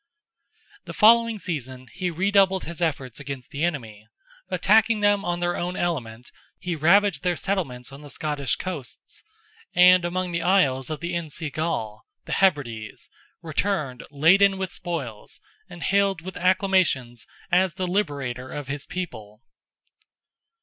The following season he redoubled his efforts against the enemy. Attacking them on their own element, he ravaged their settlements on the Scottish coasts and among the isles of Insi Gall (the Hebrides), returned laden with spoils, and hailed with acclamations as the liberator of his people.